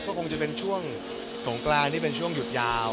ก็คงจะเป็นช่วงสงกรานที่เป็นช่วงหยุดยาว